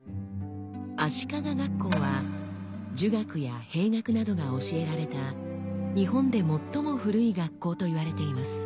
足利学校は儒学や兵学などが教えられた日本で最も古い学校といわれています。